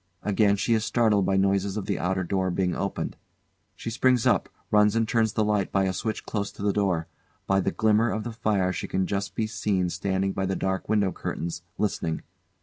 Again she is startled by noise of the outer door being opened. She springs up, runs and turns the light by a switch close to the door. By the glimmer of the fire she can just be seen standing by the dark window curtains, listening.